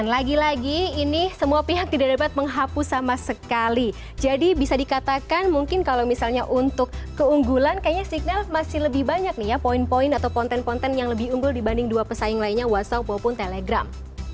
lagi lagi ini semua pihak tidak dapat menghapus sama sekali jadi bisa dikatakan mungkin kalau misalnya untuk keunggulan kayaknya signal masih lebih banyak nih ya poin poin atau konten konten yang lebih unggul dibanding dua pesaing lainnya whatsapp maupun telegram